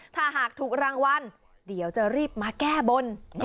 ถ้าหากถูกรางวัลเดี๋ยวจะรีบมาแก้บน